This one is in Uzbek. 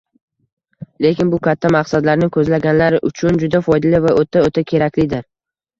Lekin bu katta maqsadlarni koʻzlaganlar uchun juda foydali va oʻta-oʻta keraklidir